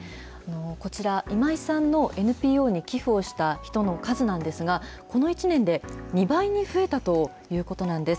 こちら、今井さんのＮＰＯに寄付をした人の数なんですが、この１年で２倍に増えたということなんです。